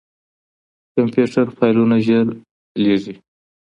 کمپيوټر فايلونه ژر لېږي.